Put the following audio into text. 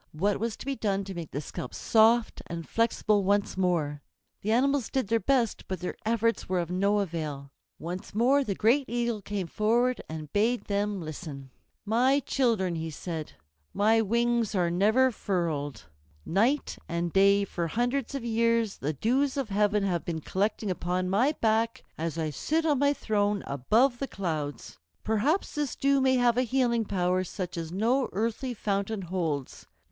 What was to be done to make the scalp soft and flexible once more? The animals did their best, but their efforts were of no avail. Once more the great Eagle came forward and bade them listen. "My children," he said, "my wings are never furled. Night and day for hundreds of years the dews of heaven have been collecting upon my back as I sit on my throne above the clouds. Perhaps this dew may have a healing power such as no earthly fountain holds.